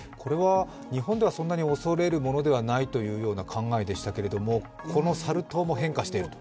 日本ではそんなに恐れることではないということでしたけどこのサル痘も変化していると。